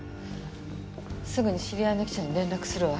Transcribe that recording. すぐに知り合いの記者に連絡するわ。